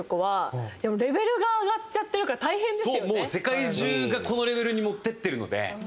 もう世界中がこのレベルに持ってってるので。